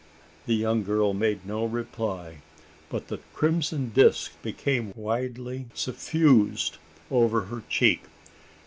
The young girl made no reply; but the crimson disc became widely suffused over her cheek.